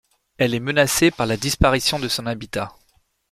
Elle est menacée par la disparition de son habitat.